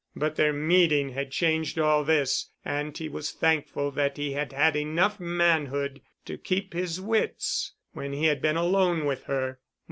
But their meeting had changed all this and he was thankful that he had had enough manhood to keep his wits when he had been alone with her.